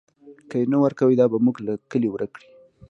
که یې نه ورکوئ، دا به موږ له کلي ورک کړي.